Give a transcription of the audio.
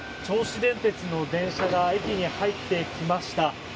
銚子電鉄の電車が駅に入っていきました。